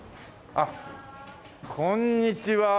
あっこんにちは。